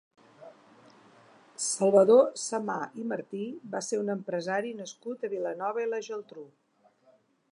Salvador Samà i Martí va ser un empresari nascut a Vilanova i la Geltrú.